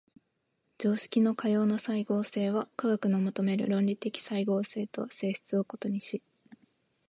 常識のかような斉合性は科学の求める論理的斉合性とは性質を異にし、